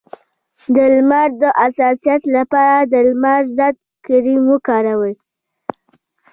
د لمر د حساسیت لپاره د لمر ضد کریم وکاروئ